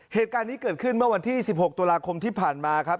เหตุการณ์นี้เกิดขึ้นเมื่อวันที่๑๖ตุลาคมที่ผ่านมาครับ